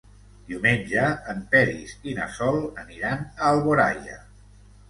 Diumenge en Peris i na Sol aniran a Alboraia.